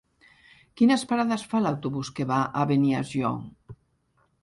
Quines parades fa l'autobús que va a Beniarjó?